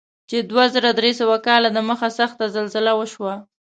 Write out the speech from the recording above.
چې دوه زره درې سوه کاله دمخه سخته زلزله وشوه.